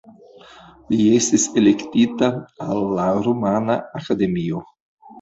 Li estis elektita al la Rumana Akademio.